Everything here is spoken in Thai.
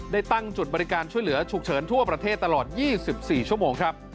ได้ตั้งจุดบริการช่วยเหลือฉุกเฉินทั่วประเทศตลอด๒๔ชั่วโมงครับ